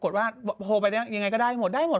โทรไปยังไงก็ได้หมด